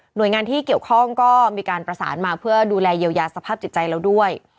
โดยงานที่เกี่ยวข้องก็มีการประสานมาเพื่อดูแลเยียวยาสภาพจิตใจเราด้วย